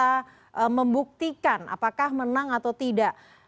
bisa membuktikan apakah menang atau tidak